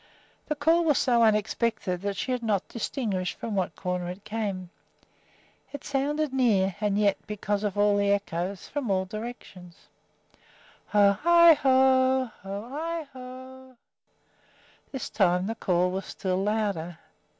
The call was so unexpected that she had not distinguished from what quarter it came. It sounded near, and yet, because of the echoes, from all directions. "Ho i ho! ho i ho!" This time the call was still louder.